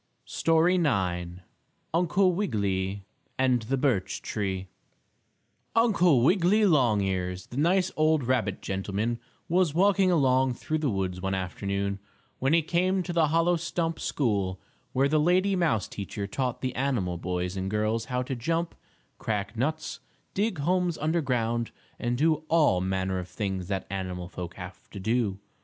STORY IX UNCLE WIGGILY AND THE BIRCH TREE Uncle Wiggily Longears, the nice old rabbit gentleman, was walking along through the woods one afternoon, when he came to the hollow stump school, where the lady mouse teacher taught the animal boys and girls how to jump, crack nuts, dig homes under ground, and do all manner of things that animal folk have to do.